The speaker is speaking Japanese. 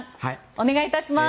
お願いいたします。